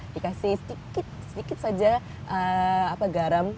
dikasih sedikit sedikit saja garam